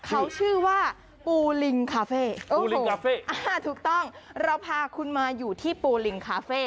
เขาชื่อว่าปูลิงคาเฟ่